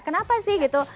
kenapa sih gitu